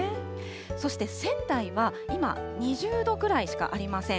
そして、仙台は今、２０度ぐらいしかありません。